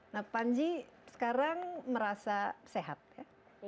nah panji sekarang merasa sehat ya